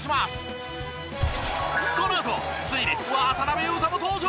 このあとついに渡邊雄太も登場！